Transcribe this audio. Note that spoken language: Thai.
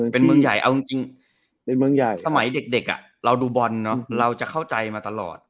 เป็นเมืองใหญ่สมัยเด็กเราดูบอลเราจะเข้าใจมาตลอด